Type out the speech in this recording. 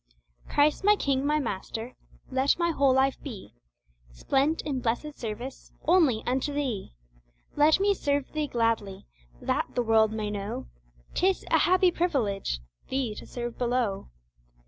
Christ my King, my Master, let my whole life be, Spent in blessed service only until Thee Let me serve Thee gladly, That the world may know 'Tis a happy privilege, Thee to serve below.